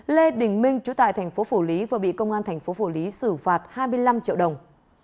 lê đình minh chú tại thành phố phủ lý vừa bị công an thành phố phủ lý xử phạt hai mươi năm triệu đồng